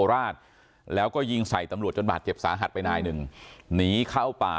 ราชแล้วก็ยิงใส่ตำรวจจนบาดเจ็บสาหัสไปนายหนึ่งหนีเข้าป่า